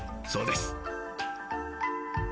そうです。